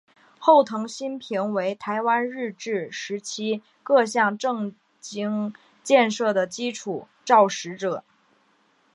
后藤新平为台湾日治时期各项政经建设的基础肇始者。